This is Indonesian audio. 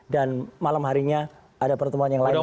dan malam harinya ada pertemuan yang lain lagi